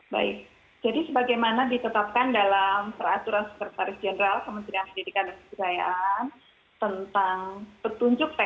baik jadi bagaimana ditetapkan dalam peraturan supertarif jenderal